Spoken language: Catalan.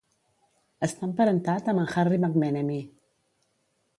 Està emparentat amb en Harry McMenemy.